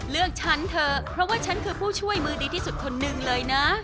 ฉันเถอะเพราะว่าฉันคือผู้ช่วยมือดีที่สุดคนหนึ่งเลยนะ